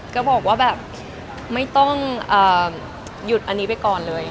ก็บอกว่าแบบไม่ต้องหยุดอันนี้ไปก่อนเลย